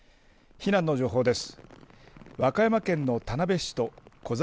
避難の情報です。